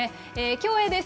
競泳です。